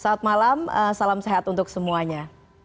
selamat malam salam sehat untuk semuanya